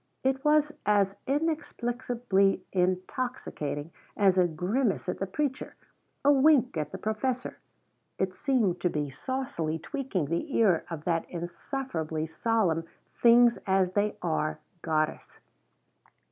It was as inexplicably intoxicating as a grimace at the preacher a wink at the professor. It seemed to be saucily tweaking the ear of that insufferably solemn Things as They Are goddess.